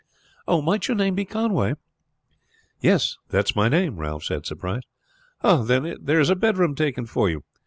"Oh, might your name be Conway?" "Yes, that is my name," Ralph said, surprised. "Ah, then there is a bedroom taken for you.